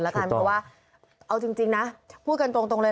เพราะว่าเอาจริงนะพูดกันตรงเลย